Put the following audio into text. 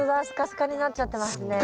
スカスカになっちゃってますね。